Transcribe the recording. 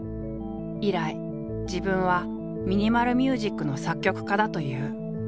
以来自分はミニマル・ミュージックの作曲家だという。